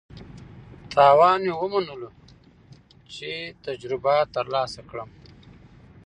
تاوان مې ومنلو چې تجربه ترلاسه کړم.